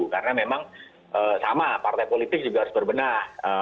karena memang sama partai politik juga harus berbenah